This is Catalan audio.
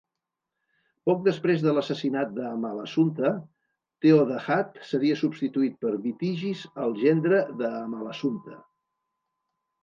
Poc després de l'assassinat d'Amalasuntha, Theodahad seria substituït per Witigis, el gendre d'Amalasuntha.